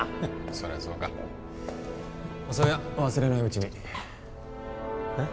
そりゃそうかそういや忘れないうちにえっ？